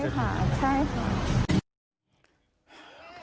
ใช่ค่ะใช่ค่ะ